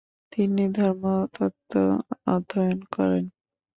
তিনি ধর্মতত্ত্ব অধ্যয়ন করেন।